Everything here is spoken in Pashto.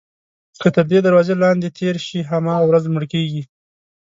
که تر دې دروازې لاندې تېر شي هماغه ورځ مړ کېږي.